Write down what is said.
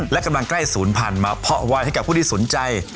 และกำลังใกล้๐พันมาเพาะไว้ให้ผู้ดีสนใจ